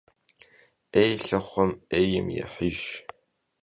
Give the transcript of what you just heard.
'êy lhıxhum 'êym yêhıjj.